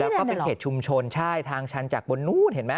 แล้วก็เป็นเขตชุมชนใช่ทางชันจากบนนู้นเห็นไหม